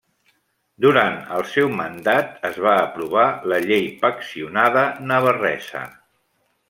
Durant el seu mandat es va aprovar la Llei Paccionada Navarresa.